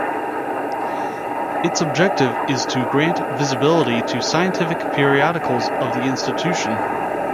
Its objective is to grant visibility to scientific periodicals of the institution.